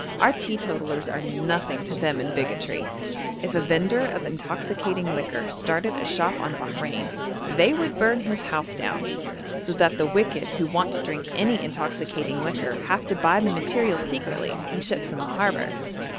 Our teetotalers are nothing to them in bigotry. If a vendor of intoxicating liquor started a shop on Bahrein, they would burn his house down, so that the wicked who want to drink any intoxicating liquor have to buy the material secretly from ships in the harbour.